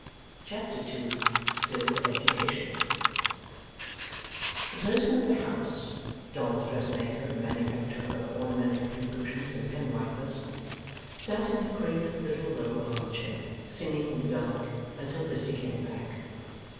Chapter 2 STILL EDUCATIONAL The person of the house, doll's dressmaker and manufacturer of ornamental pincushions and pen wipers, sat in her quaint little low arm chair, singing in the dark, until Lizzie came back.